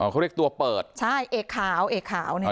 เขาเรียกตัวเปิดใช่เอกขาวเอกขาวเนี่ย